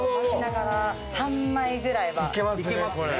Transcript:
３枚ぐらいはいけます。